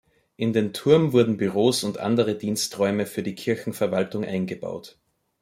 In den Turm wurden Büros und andere Diensträume für die Kirchenverwaltung eingebaut.